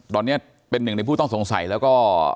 ตอนนี้เป็นหนึ่งในผู้ต้องสงสัยแล้วก็